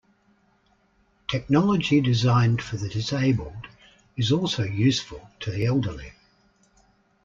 Technology designed for the disabled is also useful to the elderly.